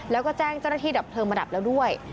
แล้วก็แจ้งเจ้าหน้าที่ดับเพลิงมาดับแล้วด้วย